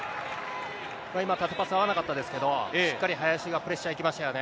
今、縦パス合わなかったですけど、しっかり林がプレッシャー行きましたよね。